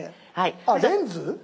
あっレンズ？